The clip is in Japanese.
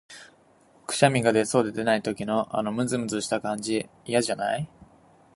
くしゃみが出そうで出ない時の、あのむずむずした感じ、嫌じゃない？